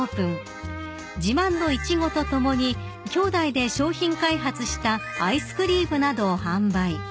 ［自慢のイチゴと共に兄弟で商品開発したアイスクリームなどを販売］